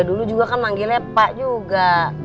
dulu juga kan manggilnya pak juga